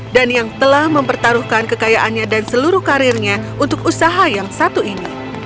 dan yang telah mempertaruhkan kekayaannya dan seluruh karirnya untuk usaha yang satu ini